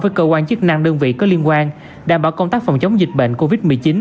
với cơ quan chức năng đơn vị có liên quan đảm bảo công tác phòng chống dịch bệnh covid một mươi chín